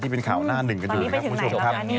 เป็นข่าวหน้าหนึ่งกันอยู่นะครับคุณผู้ชมครับ